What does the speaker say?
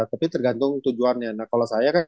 tapi tergantung tujuannya nah kalau saya kan